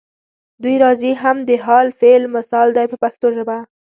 دوی راځي هم د حال فعل مثال دی په پښتو ژبه.